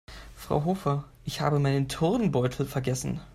Frau Hofer, ich habe meinen Turnbeutel vergessen.